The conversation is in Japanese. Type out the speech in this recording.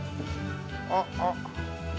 あっあっ！